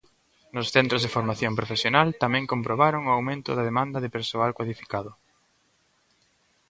Nos centros de Formación Profesional tamén comprobaron o aumento da demanda de persoal cualificado.